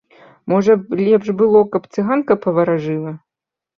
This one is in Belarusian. Можа б, лепш было, каб цыганка паваражыла.